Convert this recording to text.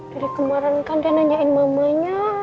dari kemarin kan dia nanyain mamanya